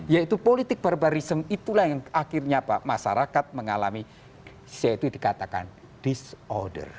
yaitu politik barbarism itulah yang akhirnya pak masyarakat mengalami yaitu dikatakan disorder